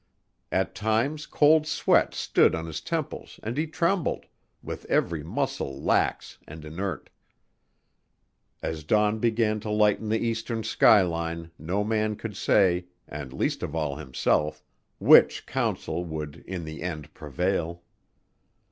At times cold sweat stood on his temples and he trembled, with every muscle lax and inert. As dawn began to lighten the eastern sky line no man could say and least of all himself which counsel would in the end prevail.